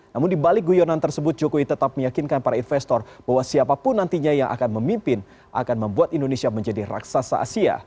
namun di balik guyonan tersebut jokowi tetap meyakinkan para investor bahwa siapapun nantinya yang akan memimpin akan membuat indonesia menjadi raksasa asia